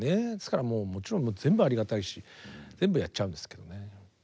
ですからもうもちろん全部ありがたいし全部やっちゃうんですけどね。